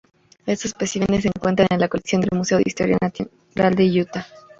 Estos especímenes se encuentran en la colección del Museo de Historia Natural de Utah.